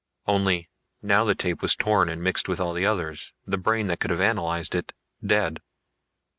Only now the tape was torn and mixed with all the others, the brain that could have analyzed it dead.